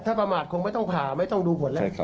ถ้าประมาทคงไม่ต้องผ่าไม่ต้องดูผลแล้ว